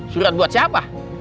surat buat siapa